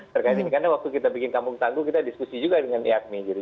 terkait ini karena waktu kita bikin kampung tangguh kita diskusi juga dengan iakmi gitu